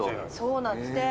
そうなんです。